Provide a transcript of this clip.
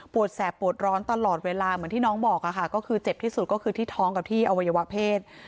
แสบปวดร้อนตลอดเวลาเหมือนที่น้องบอกค่ะก็คือเจ็บที่สุดก็คือที่ท้องกับที่อวัยวะเพศ